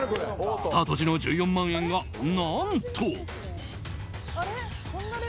スタート時の１４万円が何と。